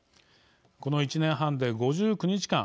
この１年半で５９日間